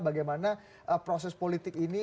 bagaimana proses politik ini